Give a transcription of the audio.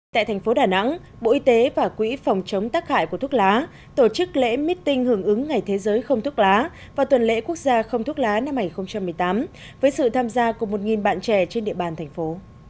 tại thành phố đà nẵng bộ y tế và quỹ phòng chống tác hại của thuốc lá tổ chức lễ meeting hưởng ứng ngày thế giới không thuốc lá và tuần lễ quốc gia không thuốc lá năm hai nghìn một mươi tám với sự tham gia của một bạn trẻ trên địa bàn thành phố